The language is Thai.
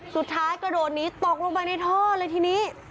กระโดดนี้ตกลงไปในท่อเลยทีนี้